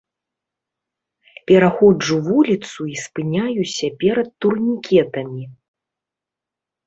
Пераходжу вуліцу і спыняюся перад турнікетамі.